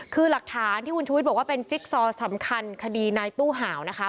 คือหลักฐานที่คุณชุวิตบอกว่าเป็นจิ๊กซอสำคัญคดีนายตู้ห่าวนะคะ